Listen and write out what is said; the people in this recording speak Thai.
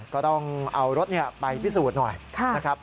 ก็ต้องเอารถไปพิสูจน์หน่อยนะครับ